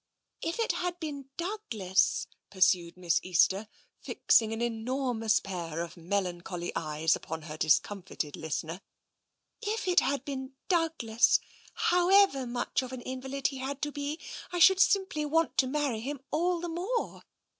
" If it had been Douglas," pursued Miss Easter, fix ing an enormous pair of melancholy eyes upon her dis comfited listener, " if it had been Douglas, however much of an invalid he had to be, I should simply want to marry him all the more.